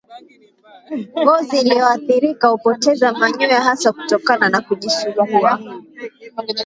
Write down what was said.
Ngozi iliyoathirika hupoteza manyoya hasa kutokana na kujisugua